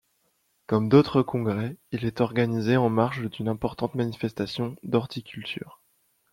Comme d’autres congrès, il est organisé en marge d’une importante manifestation d’horticulture.